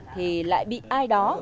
thì lại bị ai đó